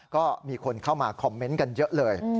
ก็มีคนเข้ามาคอมเมนต์กันเยอะเลย